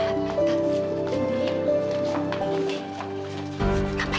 saat mengetahui tante indi